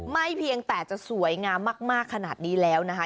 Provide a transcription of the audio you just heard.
เพียงแต่จะสวยงามมากขนาดนี้แล้วนะคะ